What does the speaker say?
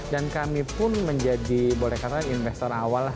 dan kami pun menjadi boleh katakan investor awal lah